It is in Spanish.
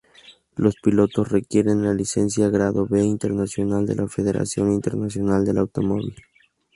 Los pilotos requieren la Licencia Grado B Internacional de la Federación Internacional del Automóvil.